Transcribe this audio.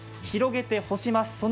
広げて干します。